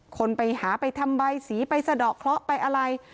คนไปหาไปทำใบสีไปสะดอกเคราะห์ไปอะไร